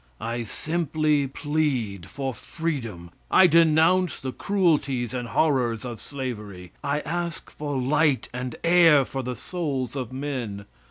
I simply plead for freedom. I denounce the cruelties and horrors of slavery. I ask for light and air for the souls of men.